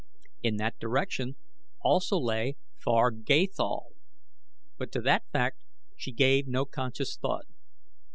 In that direction also lay far Gathol; but to that fact she gave no conscious thought.